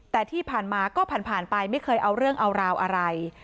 แต่ที่ผ่านมาก็ผ่านไปไม่เคยเอาเรื่องเอาราวอะไร